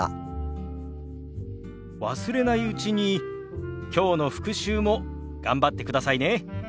忘れないうちにきょうの復習も頑張ってくださいね。